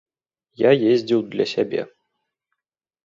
Я ездзіў для сябе.